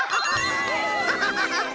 ハハハハッ！